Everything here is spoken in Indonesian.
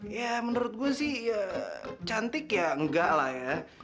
ya menurut gue sih cantik ya enggak lah ya